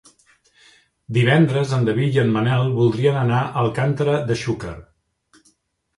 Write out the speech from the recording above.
Divendres en David i en Manel voldrien anar a Alcàntera de Xúquer.